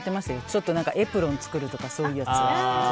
ちょっとエプロン作るとかそういうやつ。